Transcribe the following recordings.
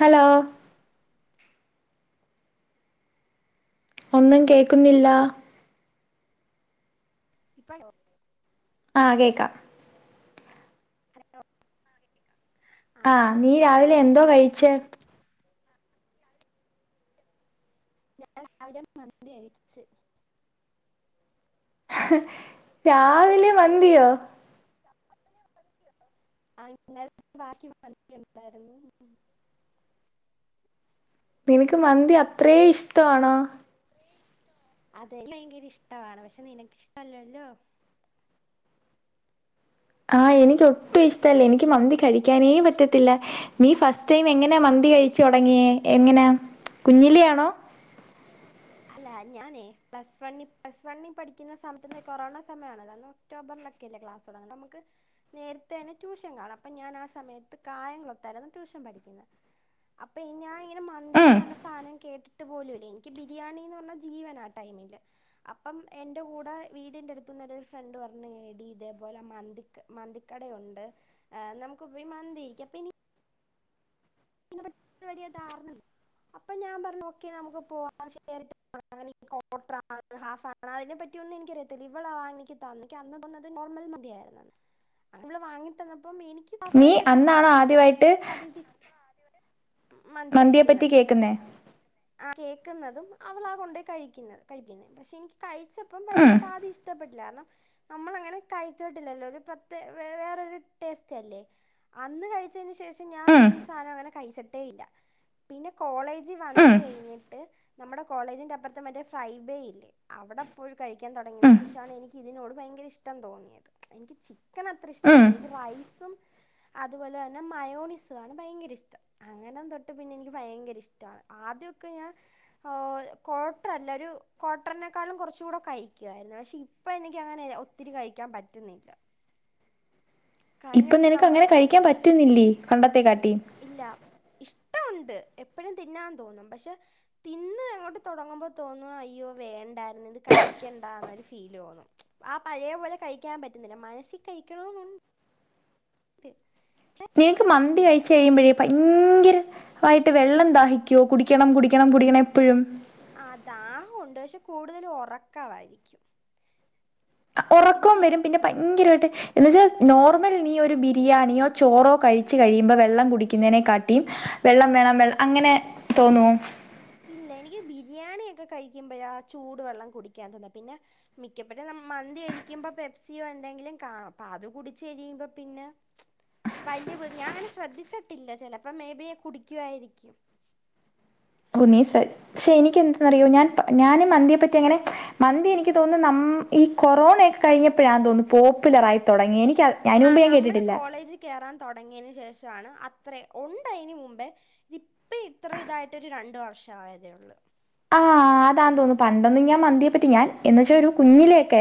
Hello ഒന്നും കേക്കുന്നില്ല. ഇപ്പായോ? ആഹ് കേക്കാം. ഹലോ ആഹ് നീ രാവിലെ എന്തോ കഴിച്ചേ? ഞാൻ രാവിലെ മന്തി കഴിച്ച് രാവിലെ മന്തിയോ? [unintelligible] ആഹ് ഇന്നലത്തെ ബാക്കി മന്തിയുണ്ടായിരുന്നു. നിനക്ക് മന്തി അത്രേ ഇഷ്ടാണോ? അതെ ഭയങ്കര ഇഷ്ടമാണ്. പക്ഷെ നിനക്കിഷ്ടല്ലല്ലോ. ആഹ് എനിക്ക് ഒട്ടു ഇഷ്ടല്ല. എനിക്ക് മന്തി കഴിക്കാനേ പറ്റത്തില്ല. നീ ഫസ്റ്റ് ടൈം എങ്ങനെ മന്തി കഴിച്ചു തൊടങ്ങ്യേ? എങ്ങനാ? കുഞ്ഞിലെയാണോ? കുഞ്ഞിലേയാണോ? അല്ല ഞാനേ പ്ലസ് വണ്ണി പ്ലസ് വണ്ണി പഠിക്ക്ന്ന സമയത്ത് ന്ന് കൊറോണ സമയമാണല്ലോ അന്ന് ഒക്ടോബറിലൊക്കല്ലേ ക്ലാസ് തൊടങ്ങ്ന്നെ. അമ്മക്ക് നേരത്തെന്നെ ട്യൂഷൻ കാണും അപ്പം ഞാനാ സമയത്ത് കായംകുളത്തായിരുന്നു ട്യൂഷൻ പഠിക്ക്ന്നെ അപ്പം ഞാനിങ്ങനെ ഉം മന്തിന്ന് പർഞ്ഞ സാനം കേട്ടി ട്ട്പോലൂല്ല. എനിക്ക് ബിരിയാണി ന്ന് പർഞ്ഞാൽ ജീവനാ ആ ടൈമില്. അപ്പം എന്റെ കൂടെ വീടിന്റട്ത്ത്ന്നൊര് ഫ്രണ്ട് പറഞ്ഞ് എടി ഇതേപോലെ മന്തി ക മന്തിക്കടയുണ്ട് ഏഹ് നമ്മക്ക് പോയി മന്തി കഴിക്കാം പിന്നെ വെല്യെ ധാർണ അപ്പൊ ഞാൻ പർഞ്ഞു ഓക്കെ നമുക്ക് പോവാം. ഷേയറിട്ട് [unintelligible] ഹാഫ് ആ [unintelligible] അതിനെപ്പറ്റ്യോന്നും എനിക്കറിയത്തില്ല. ഇവളാ എനിക്ക് തന്നെ. എനിക്ക് അന്ന് തിന്നത് നോർമൽ മന്തിയായിര്ന്നെന്ന്. ഇവള് വാങ്ങി തന്നപ്പം എനിക്കി നീ അന്നാണോ ആദ്യവായിട്ട് മന്തി മന്തിയെ പറ്റി കഴിക്കുന്നത്. കേൾക്കുന്നേ മന്തിയെ പറ്റി ആഹ് കേക്കുന്നതും അവളാ കൊണ്ടേയി കഴിക്കുന്നത് കഴിക്കുന്ന പക്ഷെ എനിക്ക് കഴിച്ചപ്പം ഉം വലിയട്ടാദ്യം ഇഷ്ടപ്പെടില്ലാര്ന്നു. നമ്മള് അങ്ങനെ കഴിച്ചിട്ടില്ലല്ലോ ഒരു പ്രത്യ വേറൊരു ടേസ്റ്റല്ലേ അന്ന് കഴിച്ചയ്ന് ശേഷം ക്ഷെ ഞാൻ ഉം പിന്നി സാധം അങ്ങനെ കഴിച്ചെട്ടേ ഇല്ല പിന്നെ കോളേജിൽ ഉം വന്ന് കഴിഞ്ഞിട്ട് നമ്മടെ കോളേജിന്റെപ്പെറ്ത്തെ മറ്റെ ഫൈബെയില്ലേ അവടെപ്പോയി കഴിക്കാൻ തൊടങ്ങ്യെയ്ന് ഉം ശേഷാണ് എനിക്കിതിനോട് ഭയങ്കര ഇഷ്ടം തോന്നിയത് എനിക്ക് ചി ക്കനത്ര ഉം ഇഷ്ടല്ല ഇൻക്ക് റൈസും അത്പോലെന്നെ മയോണി സും ആണ് ഭയങ്കര ഇഷ്ടം അങ്ങനെം തൊട്ട് പിന്നെ ഇൻക്ക് ഭയങ്കര ഇഷ്ടാണ് ആദ്യൊക്കെ ഞാൻ ഏഹ് ക്വാട്ടറല്ല ഒരു ക്വാർട്ടറിനെക്കാളും കൊർച്ചൂടെ കഴിക്കുവായിരുന്നു പക്ഷെ ഇപ് പ്പ എനിക്കങ്ങാനെ ഒത്തിരി കഴിക്കാൻ പറ്റ്ന്നില്ല. ഇപ്പൊ ദിവസം നിനക്ക് നമ്മൾ അങ്ങനെ കഴിക്കാൻ പറ്റ്ന്നില്ലേ പണ്ടത്തെ കാട്ടിം ഇല്ല ഇഷ്ട്ടുണ്ട് എപ്പഴും തിന്നാൻ തോന്നും പക്ഷെ തിന്നങ്ങോട്ട് തൊടങ്ങുമ്പോ തോന്നും അയ്യോ വേണ്ടായിര്ന്നു ഇത് കഴിക്കണ്ട ന്നൊരു ഫീലോന്നും. ആ പഴേ പോലെ കഴിക്കാൻ പറ്റ്ന്നില്ല മനസ്സി കഴിക്കണൊന്നു [unintelligible] നിനക്ക് കഴിക്കാൻ മന്തി പറ്റുന്നില്ല കഴ്ച്ചു കഴിയുമ്പഴേ ഭയങ്കര ആയിട്ട് വെള്ളം ദാഹിക്കോ കുടിക്കണം കുടിക്കണം കുടിക്കണം എപ്പഴും ആഹ് ദാഹൊണ്ട് പക്ഷെ കൂടുതലും ഒറക്കായിരിക്കും. ക്കും വെരും തിന്ന് പിന്നെ ഭയങ്കരായിട്ട് എന്ന് വെച്ചാ നോർമൽ നീ ഒരു ബിരിയാണിയോ ചോറോ കഴിച്ചു കഴിയുമ്പോ വെള്ളം കുടിക്കുന്നയ്നെ കാട്ടിയും വെള്ളം വേണം വെൾ അങ്ങനെ തോന്നോ? ഇല്ല എനിക്ക് ബിരിയാണ്യൊക്കെ കഴിക്കുമ്പഴാ ചൂട് വെള്ളം കുടിക്കാൻ തോന്ന പിന്നെ മിക്കപെട്ട നം മന്തി കഴി ക്കുമ്പം പെപ്സിയോ എന്തെങ്കിലും കാണും അപ്പ അത് കുടിച്ച് കഴിയുമ്പോ പിന്നെ വല്യെ ബുദ് ഞാ അങ്ങനെ ശ്രദ്ധിച്ച്ട്ടില്ല ചെലപ്പം മേ ബി കുടിക്കുവായിരിക്കും. ക്കു നീ ശ്ര പക്ഷെ എനിക്ക് എന്ത്ന്നറിയോ ഞാൻ പ ഞാന് മന്തിയെപ്പറ്റി അങ്ങനെ മന്തി ഉം. എനിക്ക് തോന്നുന്നു നം ഈ കൊറോണെക്കെ കഴിഞ്ഞപ്പഴാന്ന് തോന്നുന്നു പോപ്പുലറായി തൊടങ്ങ്യേ എനിക്ക അയ്ന് മുമ്പ് ഞാൻ കേട്ടിട്ടില്ല. കെറാൻ തൊടങ്ങ്യെയ്നു ശേഷണ് അത്ര ഉണ്ട് അയ്ന് മുമ്പേ ഇപ്പൊ ഇത്ര ഇതായിട്ടൊര് രണ്ട് വർഷായതേ ഒള്ളൂ. ആഹ് അതാ തോന്നുന്നു പണ്ടൊന്നും ഞാൻ മന്തിയെ പ്പറ്റി ഞാൻ.. എന്നുവച്ചാ ഒരു കുഞ്ഞിലെയൊക്കെ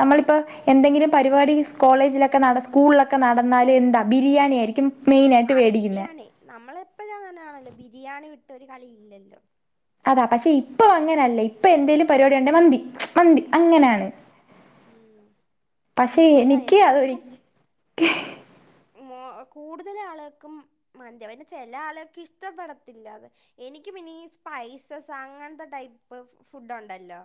ഉം നമ്മളിപ്പോ എന്തെങ്കിലും പരിപാടി. കോളേജിലൊക്കെ നട സ്കൂളിലൊക്കെ നടന്നാല് എന്താ ബിരിയാണി ആയിരിക്കും മെയിന ആ ആയിട്ട് വെടിക്കുന്നെ.. ബിരിയാണി നമ്മളെപ്പോഴും അങ്ങനൊണല്ലോ ബിരിയാണി വിട്ടൊരു കളി ഇല്ലല്ലോ.. അതാ പക്ഷെ ഇപ്പൊ അങ്ങനെയല്ല ഇപ്പ എന്തേങ്കിലും പരിപാടി ഉണ്ടേ മന്തി.. മന്തി അതെ അങ്ങനാണ്. അങ്ങനെ ഉം ഉം.. പക്ഷേ എനിക്ക്. മൊ കൂടുതൽ ആളുകക്കും.. മന്തി അഹ് പിന്നെ ചില ആൾകൾക്ക് ഇഷ്ടപ്പെടത്തില്ല അത്.. എനിക്ക് പിന്നീ സ്പൈസസ് അങ്ങനത്തെ ടൈപ്പ് ഫുഡുണ്ടല്ലോ..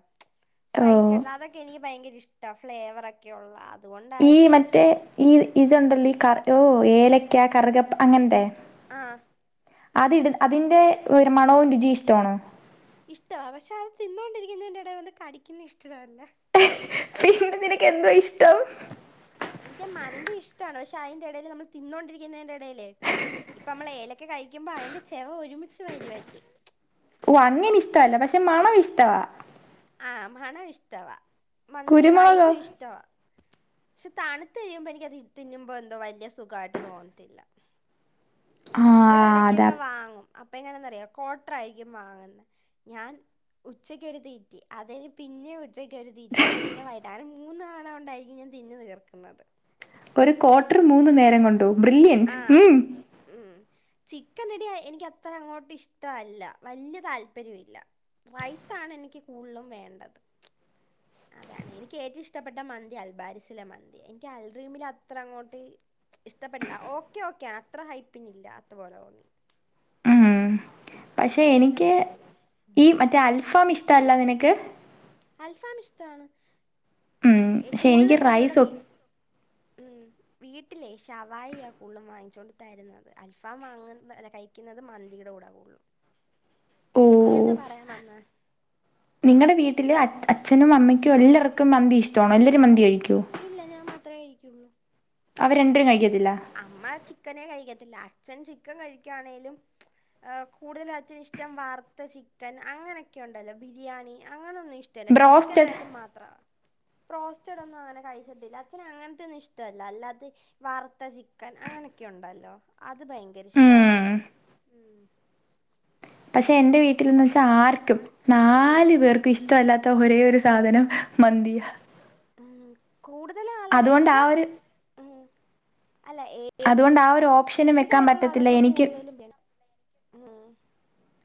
സ്പൈസി ഓഹ് ആയിട്ടുള്ള അതൊക്കെ എനിക്ക്‌ ഭയങ്കര ഇഷ്ട്ടാ ഫ്ലേവറൊ ഒക്കെ ഉള്ള അത്.. ഈ മറ്റേ ഈ ഇതുണ്ടല്ലോ ഈകാ ഓ ഏലക്ക കറുകപ്പ അങ്ങനന്ത.. ആഹ്. അത് ഇഡ് അതിന്റെ ഒരു മണവും രുചി ഇഷ്ടമാണോ.. ഇഷ്ട പക്ഷെ അത് തിന്നോണ്ടിരിക്കുന്ന തിന്റെ ഇടെൽ വന്ന് കടിക്കുന്ന ഇഷ്ടല്ലേ.. പിന്നെ നിനക്ക്ന്തോ ഇഷ്ടം.. എനിക്ക് മന്തി ഇഷ്ടണ് പക്ഷെ അതിന്റെ ഇടയിൽ നമ്മൾ തിന്നൊണ്ടിരിക്കുന്നതിന്റെ എടെ ല്ലേ ഇപ്പ നമ്മൾ ഏലക്കെ കഴിക്കുമ്പോ അതിന്റെ ചെവ ഒരുമിച്ച് വരുവല്ലേ ഓ അങ്ങനെ അപ്പം ഇഷ്ടമല്ല പക്ഷെ മണം ഇഷ്ടവാ.. ആഹ് മണ ഇഷ്ടവാ മന്തി കുരുമുളകോ റൈസും ഇഷ്ടവാ പക്ഷെ തണുത്ത് കഴിയുമ്പോ എനക്ക് അത് തിന്നുമ്പോ എന്തോ വലിയ സുഖമായിട്ട് തോന്നത്തില്ല ഇവിടെ ആഹ് അതാ എടക്കൊക്കെ വാങ്ങും അപ്പ എങ്ങനെയന്നറിയോ ക്വാട്ടർ ആയിരിക്കും വാങ്ങുന്ന ഞാൻ ഉച്ചക്കരുതിറ്റി അതികഴിന് പിന്നേം ഉച്ചക്കരുതിറ്റി പിന്നെ വൈകിട്ട് അങ്ങനെ മൂന്നവണ കൊണ്ടായിരിക്കും ഞാൻ തിന്നു തീർക്കുന്നത് ഒരു ക്വാർട്ടർ മൂന്ന് നേരം കൊണ്ടോ ബ്രില്ലയൻറ് ഉം ഉം ചിക്കൻ റെഡിയ എനിക്ക് അത്ര അങ്ങോട്ടും ഇഷ്ടല്ല വലിയ താല്പര്യല്ല റയ്സ്സാണ് എനിക്ക് കൂടുലും വേണ്ടത് അതാണ് എനിക്ക് ഏറ്റവും ഇഷ്ടപ്പെട്ട മന്തി അൽബാരിസിലെ മന്തി എനിക്ക് അൽറീമിൽ അത്ര അങ്ങോട്ട് ഇഷ്ടപ്പെടില്ല ഓക്കെ ഓക്കെ അത്ര ഹൈപ്പിങ് ഇില്ല അത്പോലെ തോന്നി ഉം, പക്ഷേ അൽബാരിസിലെ എനിക്ക് മന്തി അടിപൊളി ഈ മറ്റേ അൽഫാം ഇഷ്ടമല്ല നിനക്ക് അൽഫാം ഇഷ്ടാണ് ഉം പക്ഷെ എനിക്ക് കൂടുതലും എനിക് വിടെ റൈസ് ഒ വീ ഉം വീട്ടിലെ ശഷവായിയ കൂളതും വാങ്ങിച്ചോണ്ട് തരുന്നത് അൽഫാം വാങ്ങുന്നല്ല കഴിക്കുന്നത് മന്തിയുടെ കൂടെ കൂടുതലും ഓ നീ എന്ത് പറയാൻ വന്ന നിങ്ങളുടെ വീട്ടില് അച്ഛനും അമ്മയ്ക്കും എല്ലാർക്കും മന്തി ഇഷ്ടണോ എല്ലാരും മന്തി കഴിക്കുവോ ഇല്ല ഞാൻ മാത്രമേ കഴിക്കുള്ളൂ അവര് രണ്ടരും കഴിയത്തില്ല അമ്മ ചിക്കനെ കഴിക്കത്തില്ല അച്ഛൻ ചിക്കൻ കഴിക്കാണേലും കൂടുതലാച്ഛന് ഇഷ്ടം വറുത്ത ചിക്കൻ അങ്ങനെയൊക്കെ ഉണ്ടല്ലോ ബിരിയാണി അങ്ങനെയൊന്നും ഇഷ് ട്ടല്ല ബ്രോസ്റ്റഡ് ചിക്കനായിട്ട് മാത്ര പ്രോസ്റ്റഡ് ഒന്നും അങ്ങനെ കഴിച്ചിത്തില്ല അചന് അങ്ങനത്തെൊന്നും ഇഷ്ടമല്ല അല്ലാതെ വർ വറുത്ത ചിക്കൻ അങ്ങനൊക്കെയുണ്ടല്ലോ അത് ഭയങ്കര ഇഷ്ട്ടവാ ഉം ഉം പക്ഷെ എന്റെ വീട്ടിൽന്ന് വെച്ചാ ആർക്കും ഉം. നാല് പേർക്കും ഇഷ്ടവല്ലാത്ത ഒരേ ഒരു സാധനം മന്തിയാ [inaudible] ഉം കൂടുതൽ ആള് എന്ന അതുകൊണ്ട് ആ വച്ചാ ഒരു ഉം അല്ല ഏ അത് കൊണ്ടാ ഒരു ഓപ്ഷൻ [unintelligible] ആയിട്ടുള്ള ആളൊക്കെ കൂടുതലും [unintelligible] ഉം.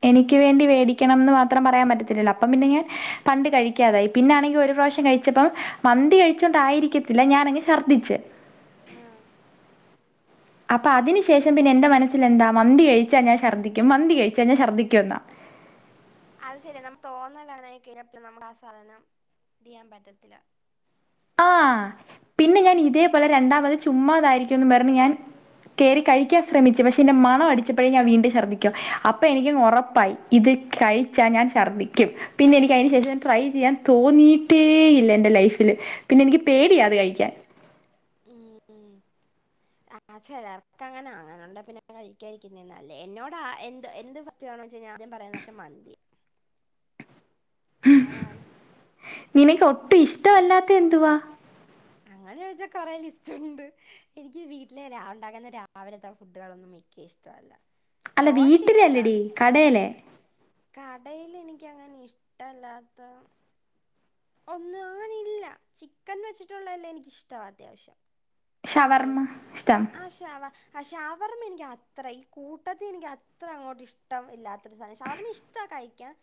എനിക്ക് വേണ്ടി വേടിക്കണംന്ന് മാത്രം പറയാൻ പറ്റത്തില്ലല്ലോ, അപ്പം പിന്നെ ഞാൻ പണ്ട് കഴിക്കാതായി, പിന്നാണെങ്കി ഒരു പ്രാവശ്യം കഴി ച്ചപ്പം മന്തി കഴിച്ചോണ്ട് ആയിരിക്കത്തില്ല ഞാനങ്ങ് ശർദ്ദിച്ച്. ആഹ് അപ്പതിന് ശേഷം പിന്നെ എന്റെ മനസ്സിലെന്താ മന്തി കഴിച്ചാ ഞാൻ ശർദ്ദിക്കും മന്തി കഴിച്ചാ ഞാൻ ശർദ്ദിക്കും എന്നാ അത് ശരിയ നമക്ക് തോന്നലാണ് ങ്ങാനായികയിഞ്ഞാൽ നമ്മുടെ ആ സാധനം ചെയ്യാൻ പറ്റത്തില്ല ആഹ് പിന്നെ ഞാൻ ഇതേപോലെ രണ്ടാമത് ചുമ്മാതായിരിക്കും ന്ന് പറഞ് ഞാൻ കേറി കഴിക്കാൻ ശ്രമിച്ചു പക്ഷെ അയിന്റെ മണ അടി ച്ചപ്പഴും ഞാൻ വീണ്ടും ശർദ്ധിക്കും. അപ്പഎനിക്കങ്ങ് ഒറപ്പായി. ഇത് കഴിച്ചാ ഞാൻ ശർദിക്ക്യും പിന്നെ എനിക്കയിന് ശേഷം ഉം ഞാൻ ട്രൈ ചെയ്യാൻ തോന്നിയിട്ടേ ഇല്ല എൻ്റെ ലൈഫില്. പിന്നെ എനിക്ക് പേടിയാ അത് കഴിക്കാൻ ഉം ഉം ആഹ് ചെലർക്കങ്ങനാ. അങ്ങനുണ്ടെ പിന്നെ കഴിക്ക്യാ ഇരിക്കുന്നെയാ നല്ലെ. എന്നോടാ എന്ത് എന്ത് പ റ്റെ ആണോചോയ്ച്ച ആദ്യം പറയുന്നത് പക്ഷെ മന്തി അതാണ് ത് നിനക്ക് ഒട്ടും ഇഷ്ടവല്ലാത്തെ എന്തുവാ? അങ്ങനെ ചോയ്ച്ചാ കൊറെ ലിസ്റ്റുണ്ട് എനിക്ക് വീട്ടിലെ രാ ഉണ്ടാക്കുന്ന രാവിലത്തെ ഫുഡുകളൊന്നും വ ക്കിഷ്ടവല്ല അല്ല ദോശ വീട്ടിലല്ലടി ഇഷ്ടാണ് കടേലെ ചപ്പാത്തി കടയില് എനിക്കങ്ങനെ ഇഷ്ട്ടല്ലാത്ത ഒന്ന് അങ്ങനെഇല്ല ചിക്കൻ വെച്ചിട്ടുള്ളെല്ലാം എനിയ്ക്കിഷ്ടവാ അത്യാവശ്യം പിന്നെ ഷവർമ്മ ഇഷ്ടം ആഹ് ശ് ഷവ ആഹ ഷവർമ എനിക്കത്ര ഈ കൂട്ടത്തി എനിയ്ക്കത്ര അങ്ങോട്ട് ഇഷ്ടം ഇല്ലാ ത്തൊരു സാനാ ഷവർമ ഇഷ്ടാ കഴിക്കാൻ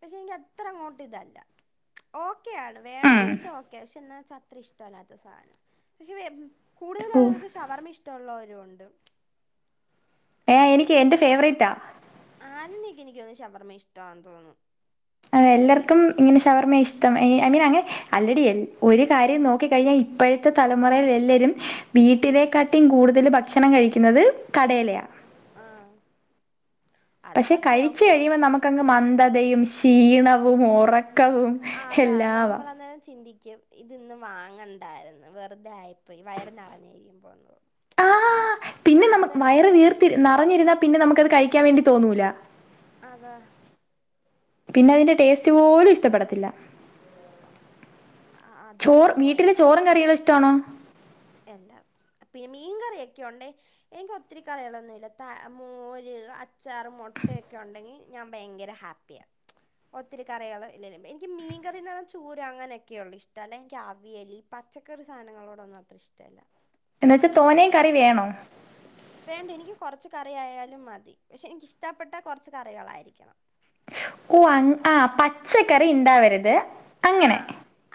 പക്ഷെ എനിക്കത്രങ്ങോട്ട് ഇതല്ല ഓക്കെ ആണ് വേണന്ന് ഉം ചോദച്ചാൽ ഓക്കെ പക്ഷെ എന്നാെച്ചാ അത്ര ഇഷ്ടല്ലാത്ത സാധനം പക്ഷെ കൂടുതൽ ഓ ആളുകൾക്ക് ശവർമ്മ ഇഷ്ടമുള്ളവരു ഉണ്ട് ഏഹ് എനിക്ക് എന്റെ ഫേവറേറ്റാ ആനിനേക്ക് എനിക്ക് ഷവർമ ഇഷ്ടമാന്ന് തോന്നുന്നു അഹ് ഭയങ്കര എല്ലാർക്കും ഇങ്ങനെ ശവർമ്മ ഇഷ്ടം ഐ മീൻ അങ്ങനെ അല്ലടിയല്ല ഒരു കാര്യം നോക്കി കഴിഞ്ഞാൽ ഇപ്പോഴത്തെ ത്തെ തലമുറയിൽ എല്ലരും ഉം. വീട്ടിലെക്കാട്ടി കൂടുതൽ ഭക്ഷണം കഴിക്കുന്നത് കടേയിലയ ആഹ് പക്ഷെ കഴിച്ചു കഴിയുമ്പോൾ നമുക്കങ് മന്ദതയും ഷീ ണവും ഉറക്കവും എല്ലാവാ അന്നേരം ചിന്തിക്കും ഇതിന്ന് വാങ്ങണ്ടായിരുന്നു വെറുതൊയിപ്പോയി വയറി നിറഞ്ഞിരിക്കുമ്പം തോന്നു ആഹ് പിന്നെ നമ വയറ് വീർത്തി നറഞ്ഞിരുന്നാ പിന്നെ നമുക്ക്ത് കഴിക്കാൻ വേണ്ടി തോന്നൂല അതാ പിന്നെ അതിന്റെ ടേസ്റ്റ് പോലും ഇഷ്ടപ്പെടത്തില്ല അതാ ചോറ് സംഭവം വീട്ടിലെ ചോറും കറികളും ഇഷ്ടമാണോ എല്ലാം പിന്നെ മീൻകറിയൊക്കെ ഉണ്ടേ എനിക്ക് ഒത്തിരി കറികളൊന്നുല്ല ത മോര് അച്ചാറ് മുട്ടയൊക്കെ ഉണ്ടെങ്കി ഞാൻ ഭയങ്കര ഹാ പ്പിയാ ഒത്തിരി കറികള് ഇല്ല ല്ലഎനിക്ക് മീൻ കറി ന്നാചൂര അങ്ങനെ ക്കെയുണ്ട് ഇഷ്ടല്ല ഇന്ക്ക് അവിയലി പച്ചക്കറി സാധനങ്ങളോടൊന്നും അത്ര ഇഷ്ടല്ല എന്ന് വച്ചാ തോനെയും കറി വേണോ വേണ്ട എനിക്ക് കുറച്ച് കറിയായാലും മതി പക്ഷെ എനിക്കിഷ്ടപ്പെട്ട കുറച്ച് കറികളായിരിക്കണം ഓ അ ആഹ് പച്ചക്കറി ണ്ടാവരുത് ആഹ്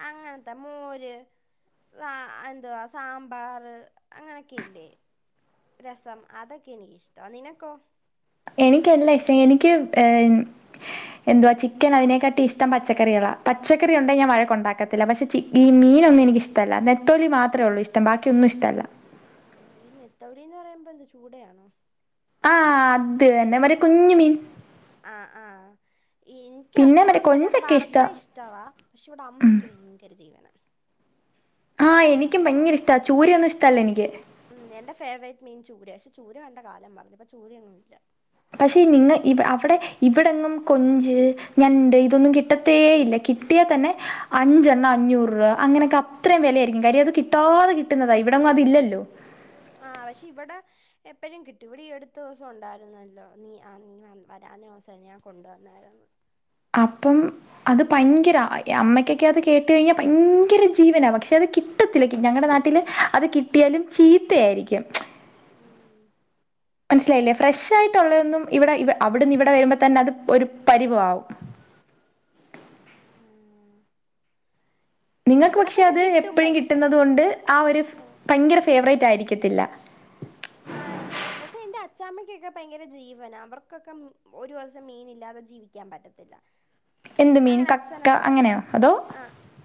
അങ്ങന് ത്തെ മോര് സാ എന്തുവാ സാമ്പാർ അങ്ങനെയൊക്കെ ഇല്ലേ രസം അതൊക്കെ എനിക്കിഷ്ട നിനക്കോ എനിക്ക് എല്ലാം ഇഷ്ടം എനിക്ക് എന്തുവാ ചിക്കൻ അതിനെക്കാട്ടി ഇഷ് ടം പച്ചറികളാ പച്ചക്കറി യുണ്ടെങ്കി ഞാൻ വഴക്കുണ്ടാക്ക ത്തില്ല പക്ഷെ ചീ ഈ മീനൊന്നും എനിക്ക് ഇഷ്ടല്ല നെത്തോലി മാത്രേ ഒള്ളൂ ഇഷ്ടം ബാക്കിയൊന്നും ഇഷ്ടല്ല ഓ ഈ നത്തോലി എന്ന് പറയുന്നത് എന്താ ചൂടയാണോ ആഹ് അത് തന്നെ മറ്റെ കുഞ്ഞു മീൻ ആഹ്ആഹ് ഇൻക്ക് പിന്നെ മറ്റേ അതിനോടൊന്നും വല്ല അത് കൊഞ്ചൊക്കെ ഇഷ്ടാ. വർത്താ ഇഷ്ടവാ പക്ഷെ ഇവിടെ അമ്മയ്ക്ക് ഭയങ്കര ജീവന ആഹ് എനിക്കു ഭയങ്കര ഇഷ്ടാ ചൂരയൊന്നും ഇഷ്ടല്ല എനിക്ക് ഉം എന്റെ ഫേവറെറ്റ് മീൻ ചൂരപക്ഷെ ചൂര കണ്ട കാലം മാറ്ന്ന് ഇപ്പം ചൂരയെന്നും ഇല്ല പക്ഷെ നിങ്ങ ഇ അവിടെ ഇവിടെങ്ങും കൊഞ്ച് ഉം ഞണ്ട് ഇതൊന്നും കിട്ടത്തേ ഇല്ല കിട്ടിയാൽ തന്നെ ഉം അഞ്ചെണ്ണം അഞ്ഞൂറ് രൂപ അങ്ങനെയൊക്കെ അത്രയും വിലയായിരിക്കും കാര്യം അത് കിട്ടാതെ കിട്ടുന്നതാ ഇവിട ഒന്നും അതില്ലോ ആഹ് പക്ഷെ ഇവിടെ എപ്പോഴും കിട്ടു ഇവടെ ഈ അടുത്ത ദിവസം ഉണ്ടായിരുന്നല്ലോ നീ ആ നീ വ വരാനോസം ഞാൻ കൊണ്ടുവന്നായിരുന്നു അപ്പം അത് ഉം. ഭയങ്കര അമ്മയ്ക്കൊക്കെ അത് കേട്ട കഴിഞ്ഞാൽ ഭയങ്കര ജീവനാ പക്ഷെ അത് കി ടത്തില്ല ഞങ്ങളുടെ നാട്ടില് അത് കിട്ടിയാലും ചീത്തയായിരിക്കും ഉം മനസ്സിലായില്ലേ ഫ്രഷ് ആയിട്ടുള്ളതന്നും ഇവിടെ അവിടുന്ന് ഇവിടെ വരുമ്പോൾ തന്നെ അത് ഒരു പരിവ ആവും ആഹ് നിങ്ങൾക്ക് ഇവിടെ പക്ഷേ പക്ഷെ അത് കുറച്ച് കിട്ടും എപ്പോഴും പക്ഷെ കിട്ടുന്നത് കൊണ്ട് ആ ഒരു ആഹ് ഭയങ്കര ഫേവറേറ്റ് ആയിരിക്കത്തില്ല ആയ് പക്ഷെ എന്റെ അച്ചാമ്മയ്ക്കൊക്കെ ഭയങ്കര ജീവന അവർക്കൊക്കെ ഒരു വസം മീനില്ലാതെ ജീവിക്കാൻ പറ്റത്തില്ല എന്ത് മീൻ അങ്ങനെ കക്ക അച്ഛനാണല്ലോ അങ്ങനെയാ അതോ ആ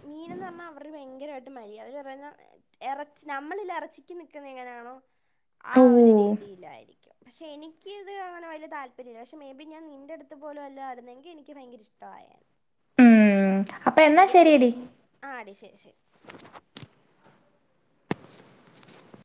മീനെന്ന് പറഞ്ഞാൽ അവർ ഭയങ്കരമായിട്ട് മരി അവർ പറഞ്ഞാ ഇറച്ചി നമ്മളിൽ ഇറച്ചിക്ക് നിൽക്കുന്ന എങ്ങനാണോ ആ ഓ ഒരു രീതിയിലായിരിക്കും പക്ഷേ എനിക്ക് ഇത് അങ്ങനെ വല്യ താല്പര്യല്ല പക്ഷേ മേ ബി ഞാൻ നിൻ്റെ അടുത്ത് പോലു വല്ലോ യിരുന്ന ന്നെങ്കി എനിക്ക് ഭയങ്കരഷ്ട ആയെനെ ഉം അപ്പൊ എന്നാ എങ്കിലും ശരിയെടി ആഹ് ടി ശരി ശരി